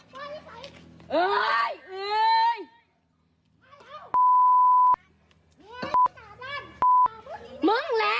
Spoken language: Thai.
มึงแหละ